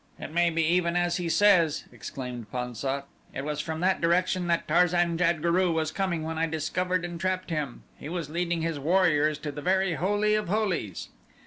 "It may be even as he says," exclaimed Pan sat. "It was from that direction that Tarzan jad guru was coming when I discovered and trapped him. He was leading his warriors to the very holy of holies."